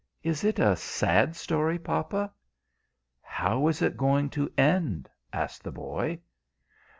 "Is it a sad story, papa?" "How is it going to end?" asked the boy.